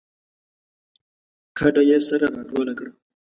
کډه یې سره راټوله کړه